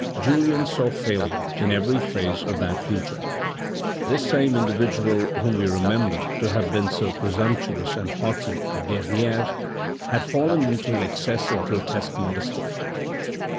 Julien saw failure in every phase of that future. This same individual whom we remember to have been so presumptuous and haughty at Verrieres, had fallen into an excess of grotesque modesty.